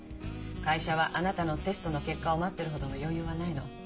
会社はあなたのテストの結果を待ってるほどの余裕はないの。